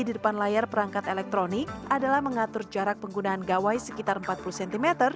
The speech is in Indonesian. di depan layar perangkat elektronik adalah mengatur jarak penggunaan gawai sekitar empat puluh cm